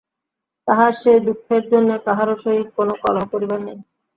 তাহার সে দুঃখের জন্য কাহারো সহিত কোনো কলহ করিবার নাই।